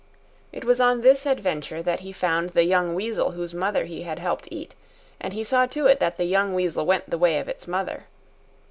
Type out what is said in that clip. It was on this adventure that he found the young weasel whose mother he had helped eat, and he saw to it that the young weasel went the way of its mother.